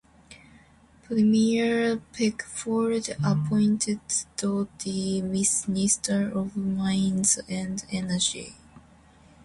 Premier Peckford appointed Doody Minister of Mines and Energy.